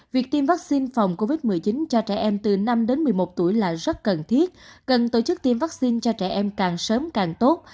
việc tiêm vaccine phòng covid một mươi chín cho trẻ em từ năm đến một mươi một tuổi là rất cần thiết cần tổ chức tiêm vaccine cho trẻ em càng sớm càng tốt